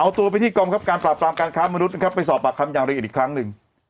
เอาตัวไปที่กองครับการปราบปรามการค้ามนุษย์นะครับไปสอบปากคำอย่างละเอียดอีกครั้งหนึ่ง